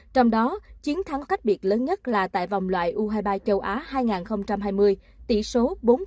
trong đó chiến thắng cách biệt lớn nhất là tại vòng loại u hai mươi ba châu á hai nghìn hai mươi tỷ số bốn